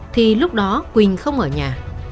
thì lúc đó quỳnh không ở nhà